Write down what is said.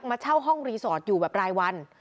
มาเช่าห้องรีสอร์ทอยู่แบบรายวัน